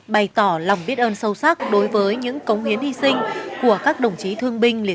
bày tỏ lòng biết ơn sâu sắc đối với những cống hiến hy sinh của các đồng chí thương binh liệt sĩ